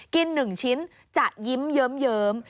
กิน๑ชิ้นจะยิ้มเยิมเยิม